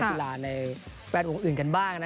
ไทยรักเชื่อไทยแลนด์